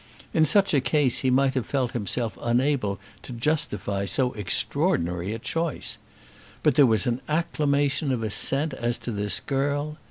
In such a case he might have felt himself unable to justify so extraordinary a choice. But there was an acclamation of assent as to this girl!